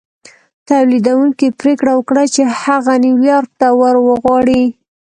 توليدوونکي پرېکړه وکړه چې هغه نيويارک ته ور وغواړي.